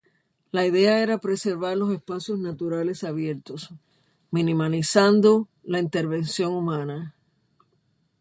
La idea era preservar los espacios naturales abiertos, minimizando la intervención humana.